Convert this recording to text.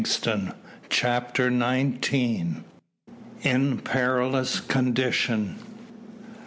CHAPTER NINETEEN. IN PERILOUS CONDITION.